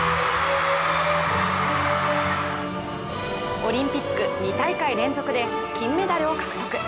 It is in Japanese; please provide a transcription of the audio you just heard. オリンピック２大会連続で金メダルを獲得。